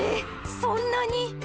そんなに？